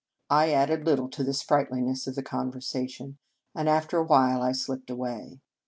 I added little to the sprightliness of the conversation, and after a while I slipped away.